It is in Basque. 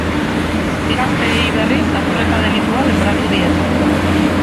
Bi gazteei, berriz, lapurreta delitua leporatu diete.